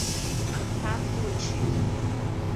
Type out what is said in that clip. Catuti